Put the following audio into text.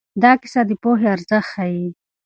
دا کیسه د پوهې ارزښت ښيي.